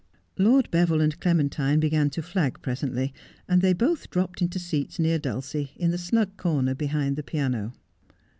Lord Beville and Clementine began to flag presently, and they both dropped into seats near Dulcie, in the snug corner behind the piano.